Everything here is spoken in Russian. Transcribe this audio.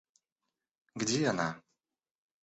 Где она?